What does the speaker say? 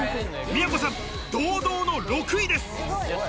都さん、堂々の６位です。